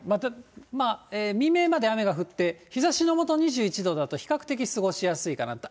未明まで雨が降って、日ざしの下、２１度だと比較的過ごしやすいかなと。